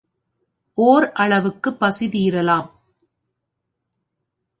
ஓர் அளவுக்கு பசி தீரலாம்.